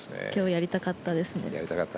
やりたかったね。